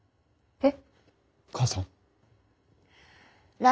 えっ？